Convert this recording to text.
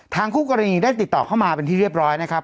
คู่กรณีได้ติดต่อเข้ามาเป็นที่เรียบร้อยนะครับ